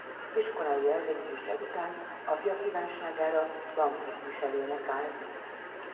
Iskolái elvégzése után apja kívánságára banktisztviselőnek állt.